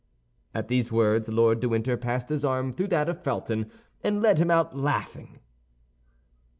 And at these words Lord de Winter passed his arm through that of Felton, and led him out, laughing.